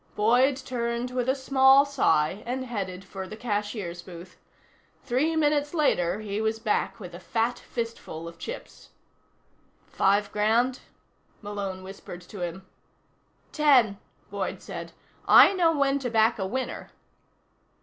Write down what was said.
Boyd turned with a small sigh and headed for the cashier's booth. Three minutes later, he was back with a fat fistful of chips. "Five grand?" Malone whispered to him. "Ten," Boyd said. "I know when to back a winner."